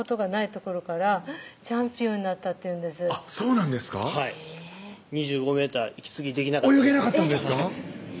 ところからチャンピオンになったっていうんですあっそうなんですかはい２５ｍ息継ぎできなったです泳げなかったんですか